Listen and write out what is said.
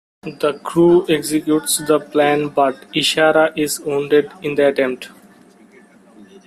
The crew executes the plan, but Ishara is wounded in the attempt.